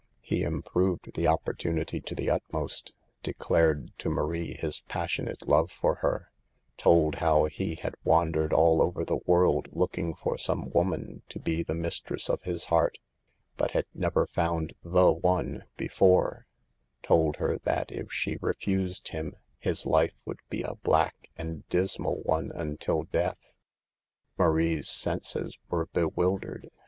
He improved the opportu nity to the utmost ; declared to Marie his pas sionate love for her; told how he had wan dered all over the world looking for some wo man to be the mistress of his heart, but had never found the one before ; told her that if she refused him, his life would be a black and dis mal one until death. Marie's senses were bewildered.